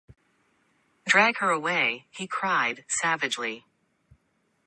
‘Drag her away!’ he cried, savagely.